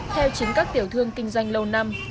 theo chính các tiểu thương kinh doanh lâu năm